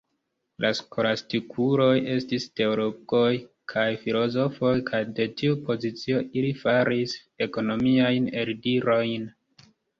La skolastikuloj estis teologoj kaj filozofoj, kaj de tiu pozicio ili faris ekonomiajn eldirojn.